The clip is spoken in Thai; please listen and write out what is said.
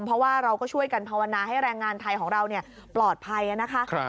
เพราะว่าเราก็ช่วยกันภาวนาให้แรงงานไทยของเราปลอดภัยนะคะ